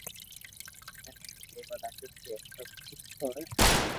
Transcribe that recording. ھين اوني ڪيوا لاگيا ڪي سب خوݾ ھي